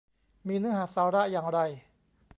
มีเนื้อหาสาระอย่างไร ?